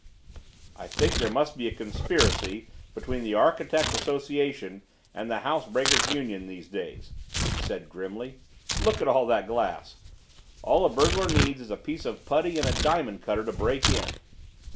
"I think there must be a conspiracy between the Architects' Association and the Housebreakers' Union these days," he said grimly. "Look at all that glass. All a burglar needs is a piece of putty and a diamond cutter to break in."